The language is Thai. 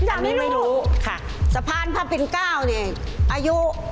อันนี้ไม่รู้ค่ะสะพานพระปิ่นเก้าเนี่ยอายุ